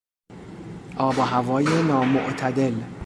آب و هوای نامعتدل